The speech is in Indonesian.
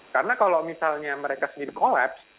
karena kalau misalnya mereka sendiri kolaps